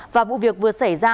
và vụ việc vừa xảy ra